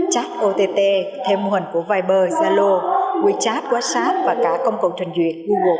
chat ott thêm mô hình của viber zalo wechat whatsapp và cả công cụ truyền duyệt google